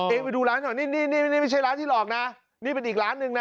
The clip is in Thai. ไปดูร้านหน่อยนี่นี่ไม่ใช่ร้านที่หลอกนะนี่เป็นอีกร้านหนึ่งนะ